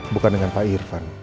bukan dengan pak irfan